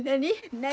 何？